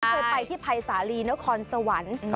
เคยไปที่ภัยสาลีนครสวรรค์